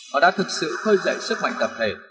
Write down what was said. họ đã thực sự khơi dậy sức mạnh tập thể